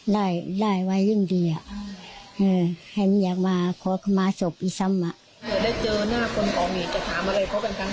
เจอหน้าคนออกหนีจะถามอะไรเพราะเป็นคำแรกเลย